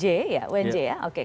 ubedillah badrun analis politik unj